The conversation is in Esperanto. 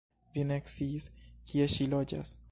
Vi ne sciis, kie ŝi loĝas?